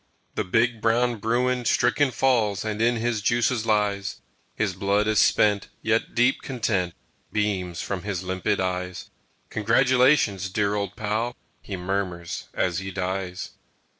The big brown bruin stricken falls And in his juices lies; His blood is spent, yet deep content Beams from his limpid eyes. "Congratulations, dear old pal!" He murmurs as he dies.